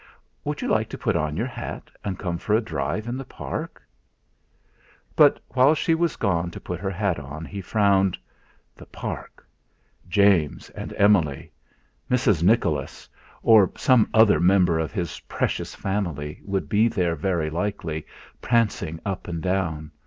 "Would you like to put on your hat and come for a drive in the Park?" But while she was gone to put her hat on, he frowned. The Park! James and Emily! Mrs. Nicholas, or some other member of his precious family would be there very likely, prancing up and down.